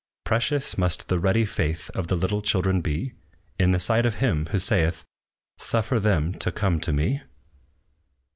Precious must the ready faith Of the little children be, In the sight of Him, who saith, "Suffer them to come to me."